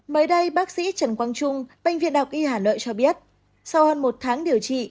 mới đây bác sĩ trần quang trung bệnh viện đại học y hà nội cho biết sau hơn một tháng điều trị